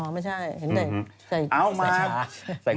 อ๋อไม่ใช่เห็นได้ใส่ชา